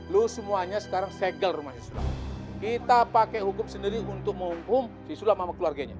lo semuanya sekarang segel rumah si sulang kita pakai hukum sendiri untuk menghukum si sulang sama keluarganya